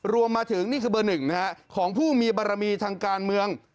รวมถึงนี่คือเบอร์หนึ่งของผู้มีบารมีทางการเมือง